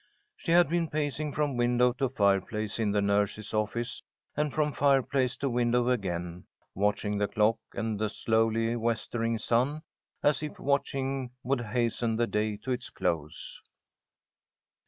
She had been pacing from window to fireplace in the nurse's office, and from fireplace to window again, watching the clock and the slowly westering sun, as if watching would hasten the day to its close.